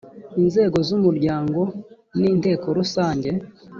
inzego z umuryango ni inteko rusange